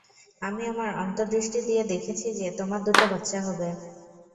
আমি আমার অন্তর্দৃষ্টি দিয়ে দেখেছি যে, তোমার দুটো বাচ্চা হবে।